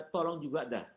tolong juga dah